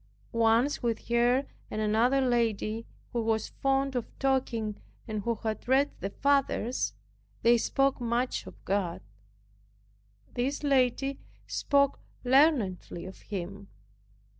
Once with her and another lady, who was fond of talking and who had read "the fathers," they spoke much of God. This lady spoke learnedly of Him.